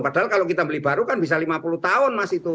padahal kalau kita beli baru kan bisa lima puluh tahun mas itu